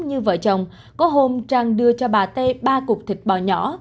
như vợ chồng có hôm trang đưa cho bà tê ba cục thịt bò nhỏ